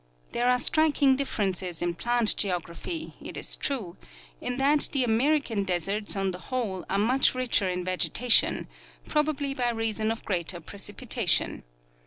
There are striking differ ences in plant geography, it is true, in that the American deserts on the whole are much richer in vegetation, probably by reason of greater precipitation.